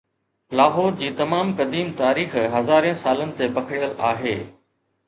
لاهور جي تمام قديم تاريخ هزارين سالن تي پکڙيل آهي